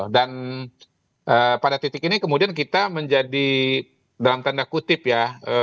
dan pada titik ini kemudian kita menjadi dalam tanda kutip ya